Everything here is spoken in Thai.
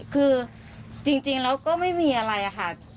คือจริงแล้วก็ไม่มีอะไรค่ะ